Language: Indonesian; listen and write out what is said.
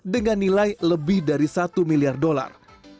dengan nilai lebih dari satu miliar dolar